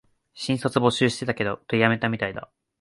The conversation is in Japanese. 新卒募集してたけど、取りやめたみたいだ